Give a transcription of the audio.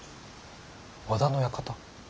和田の館。